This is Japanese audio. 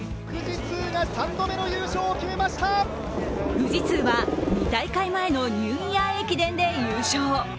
富士通は２大会前のニューイヤー駅伝で優勝。